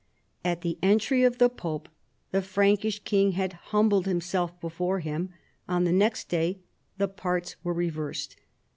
At the entry of the pope, tlie Frankish king' had humbled himself before him. On the next day the parts were reversed.